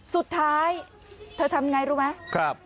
สุดท้ายเธอทำไงรู้ไหม